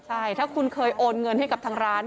ใช่ถ้าคุณเคยโอนเงินให้กับทางร้าน